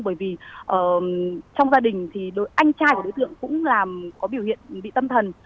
bởi vì trong gia đình thì anh trai của đối tượng cũng có biểu hiện bị tâm thần